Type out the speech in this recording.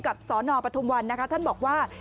สนปทุมวันนะคะท่านบอกว่า